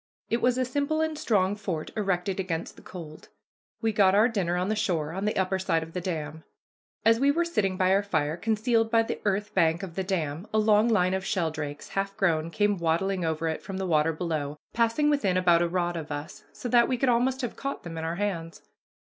It was a simple and strong fort erected against the cold. We got our dinner on the shore, on the upper side of the dam. As we were sitting by our fire, concealed by the earth bank of the dam, a long line of sheldrakes, half grown, came waddling over it from the water below, passing within about a rod of us, so that we could almost have caught them in our hands.